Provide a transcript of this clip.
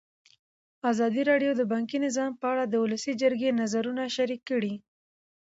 ازادي راډیو د بانکي نظام په اړه د ولسي جرګې نظرونه شریک کړي.